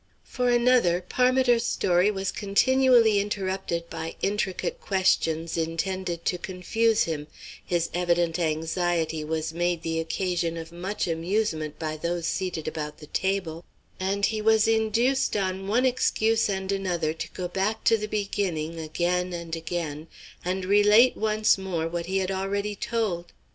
For another, Parmiter's story was continually interrupted by intricate questions intended to confuse him, his evident anxiety was made the occasion of much amusement by those seated about the table, and he was induced on one excuse and another to go back to the beginning again and again and relate once more what he had already told.